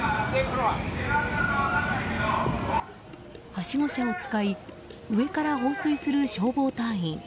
はしご車を使い上から放水する消防隊員。